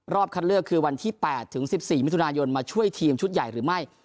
คัดเลือกคือวันที่๘ถึง๑๔มิถุนายนมาช่วยทีมชุดใหญ่หรือไม่